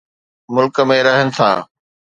ملڪ ۾ رهن ٿا.